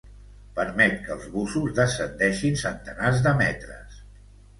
Permet que els bussos descendeixin centenars de metres.